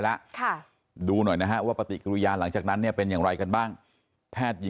แล้วค่ะดูหน่อยนะฮะว่าประติกุรยารหลังจากนั้นที่นี่เป็นอย่างไรกันบ้างแพทย์